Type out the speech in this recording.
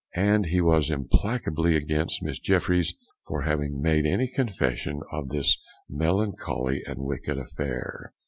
And he is implacable against Miss Jeffryes for having made any confession of this melancholy and wicked affair.